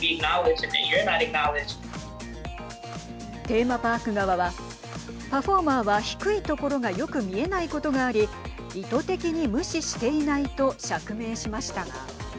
テーマパーク側はパフォーマーは低い所がよく見えないことがあり意図的に無視していないと釈明しましたが。